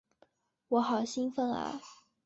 我好兴奋啊！